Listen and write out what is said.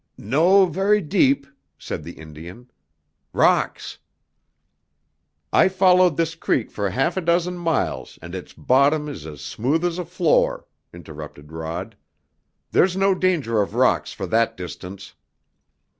"No ver' deep," said the Indian. "Rocks " "I followed this creek for half a dozen miles and its bottom is as smooth as a floor!" interrupted Rod. "There's no danger of rocks for that distance!"